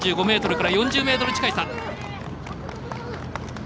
３５ｍから４０ｍ近い差。